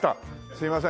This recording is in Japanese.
すいません。